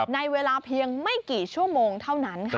ในเวลาเพียงไม่กี่ชั่วโมงเท่านั้นค่ะ